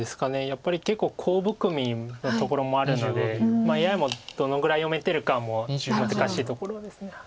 やっぱり結構コウ含みなところもあるのでＡＩもどのぐらい読めてるかも難しいところです。